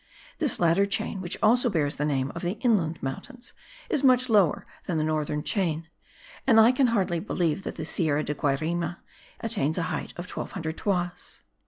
This latter chain, which also bears the name of the Inland Mountains, is much lower than the northern chain; and I can hardly believe that the Sierra de Guayraima attains the height of 1200 toises.